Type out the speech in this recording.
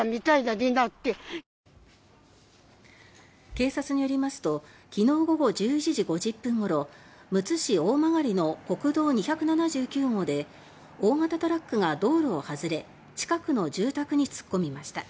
警察によりますと昨日午後１１時５０分ごろむつ市大曲の国道２７９号で大型トラックが道路を外れ近くの住宅に突っ込みました。